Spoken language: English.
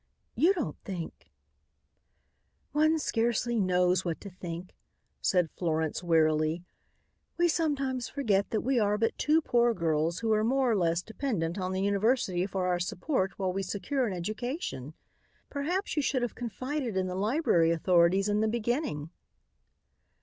You don't think " "One scarcely knows what to think," said Florence wearily. "We sometimes forget that we are but two poor girls who are more or less dependent on the university for our support while we secure an education. Perhaps you should have confided in the library authorities in the beginning."